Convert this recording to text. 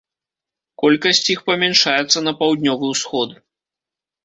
Колькасць іх памяншаецца на паўднёвы ўсход.